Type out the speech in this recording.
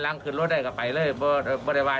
ยังผีน